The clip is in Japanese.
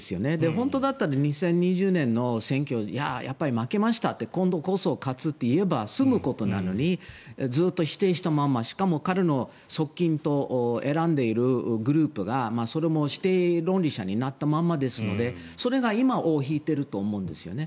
本当だったら２０２０年の選挙やっぱり負けました今度こそ勝つと言えば済むことなのにずっと否定したまましかも彼の側近と選んでいるグループがそれも否定論理者になったままですのでそれが今尾を引いていると思うんです。